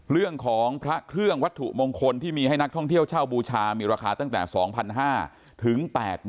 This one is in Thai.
เรื่องของพระเครื่องวัตถุมงคลที่มีให้นักท่องเที่ยวเช่าบูชามีราคาตั้งแต่๒๕๐๐ถึง๘๐๐๐